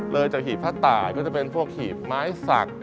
เลยจากหีบผ้าตายก็จะเป็นพวกหีบไม้สัก